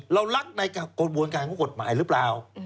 เรารักในกระบวนการของกฎหมายหรือเปล่า